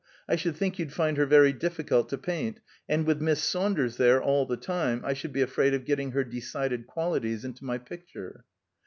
I should think you'd find her very difficult to paint, and with Miss Saunders there, all the time, I should be afraid of getting her decided qualities into my picture."